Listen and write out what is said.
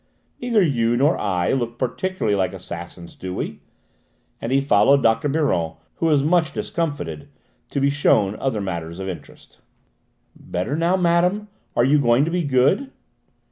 Neither you nor I look particularly like assassins, do we?" And he followed Dr. Biron, who was much discomfited, to be shown other matters of interest. "Better now, madame? Are you going to be good?"